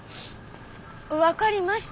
分かりました。